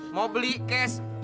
mau beli cash